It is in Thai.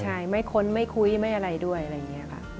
ใช่ไม่ค้นไม่คุยไม่อะไรด้วยอะไรอย่างนี้ค่ะ